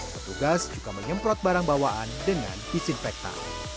petugas juga menyemprot barang bawaan dengan disinfektan